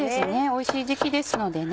おいしい時期ですのでね。